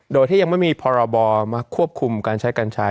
โดยที่ยังไม่มีพรบมาควบคุมการใช้กัญชา